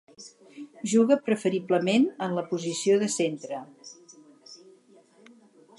Juga preferiblement en la posició de centre.